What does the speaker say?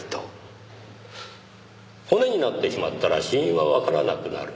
「骨になってしまったら死因はわからなくなる」